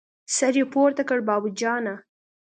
سر يې پورته کړ: بابو جانه!